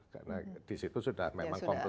karena di situ sudah memang kompleks bsl